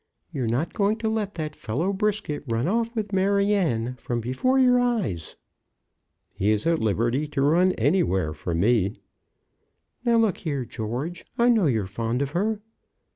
You're not going to let that fellow Brisket run off with Maryanne from before your eyes." "He's at liberty to run anywhere for me." "Now, look here, George. I know you're fond of her."